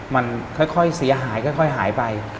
มันค่อยเสียหายค่อยหายไป